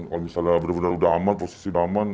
kalau misalnya benar benar sudah aman posisi sudah aman